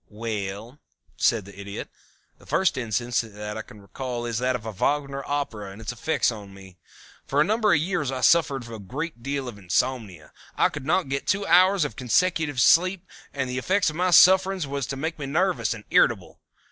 "Well," said the Idiot, "the first instance that I can recall is that of a Wagner Opera and its effects upon me. For a number of years I suffered a great deal from insomnia. I could not get two hours of consecutive sleep and the effect of my sufferings was to make me nervous and irritable.